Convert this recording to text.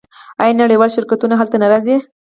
آیا نړیوال شرکتونه هلته نه راځي؟